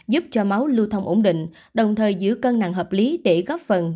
giúp cho máu lưu thông ổn định đồng thời giữ cân nặng hợp lý để góp phần